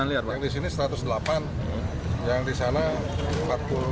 dan lawan yang disudah lagi terdapat dari anggota perbancam yang tidak berlaku dibongkar terus kembali